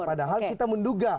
padahal kita menduga